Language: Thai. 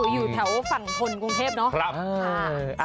อยู่แถวฝั่งคนกรุงเทพฯนะครับอ้าวครับ